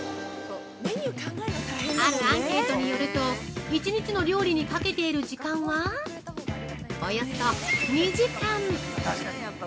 あるアンケートによると１日の料理にかけている時間はおよそ２時間。